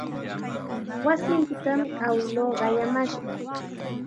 Wasinpitam awiluu qayamashqa.